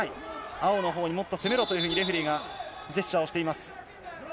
青のほうにもっと攻めろというふうにレフェリーがジェスチャーをしています。